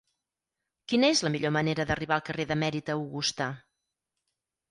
Quina és la millor manera d'arribar al carrer d'Emèrita Augusta?